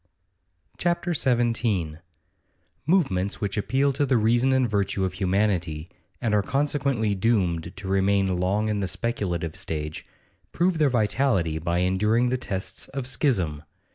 CHAPTER XVII Movements which appeal to the reason and virtue of humanity, and are consequently doomed to remain long in the speculative stage, prove their vitality by enduring the tests of schism.